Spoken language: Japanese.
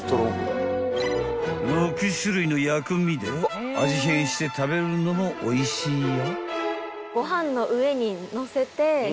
［６種類の薬味で味変して食べるのもおいしいよ］